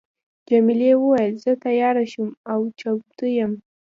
جميلې وويل: زه تیاره شوم او چمتو یم.